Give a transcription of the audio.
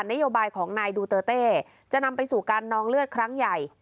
นโยบายของนายดูเตอร์เต้จะนำไปสู่การนองเลือดครั้งใหญ่